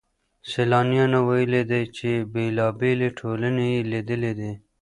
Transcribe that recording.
سيلانيانو ويلي دي چي بېلابېلې ټولني يې ليدلې دي.